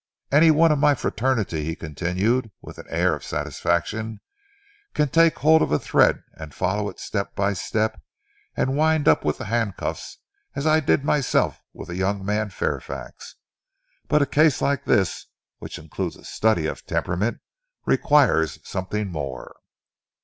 Any one of my fraternity," he continued, with an air of satisfaction, "can take hold of a thread and follow it step by step, and wind up with the handcuffs, as I did myself with the young man Fairfax. But a case like this, which includes a study of temperament, requires something more."